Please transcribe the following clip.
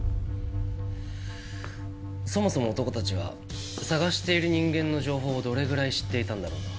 そもそも男たちは捜している人間の情報をどれぐらい知っていたんだろうな。